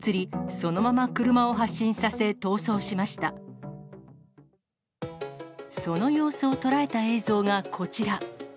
その様子を捉えた映像がこちら。